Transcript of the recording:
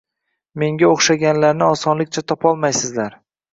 Menga o‘xshaganlarni osonlikcha topolmaysizlar